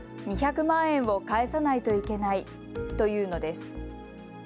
２００万円を返さないといけないと言うのです。